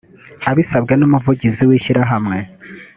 abisabwe n umuvugizi w ishyirahamwe